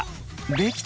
できた！